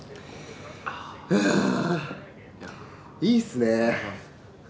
いいっすね。